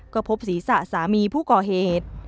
ก็พบศีรษะสามีผู้ก่อเหตุ